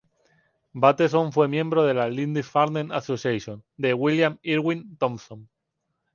Bateson fue miembro de la Lindisfarne Association de William Irwin Thompson.